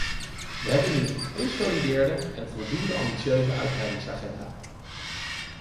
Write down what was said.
We hebben nu een geconsolideerde en voldoende ambitieuze uitbreidingsagenda.